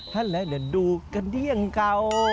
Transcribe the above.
ให้และเดินดูเกดี้ยังเกา